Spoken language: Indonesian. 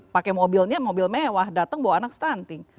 pakai mobilnya mobil mewah datang bawa anak stunting